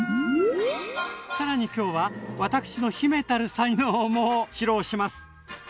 さらに今日は私の秘めたる才能も披露します！